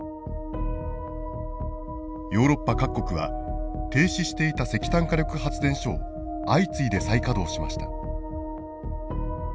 ヨーロッパ各国は停止していた石炭火力発電所を相次いで再稼働しました。